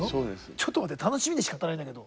ちょっと待って楽しみでしかたないんだけど。